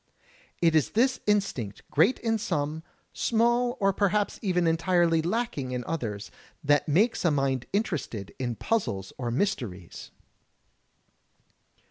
It is this instinct, great in some, small or perhaps even entirely lacking in others, that makes a mind interested in puzzles or mysteries.